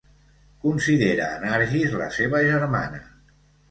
Considera a Nargis la seva germana.